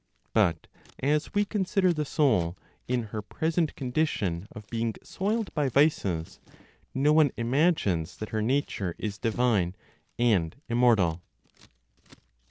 But as we consider the soul in her present condition of being soiled by vices, no one imagines that her nature is divine and immortal.